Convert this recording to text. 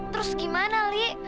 terus gimana li